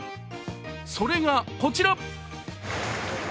それが、こちら。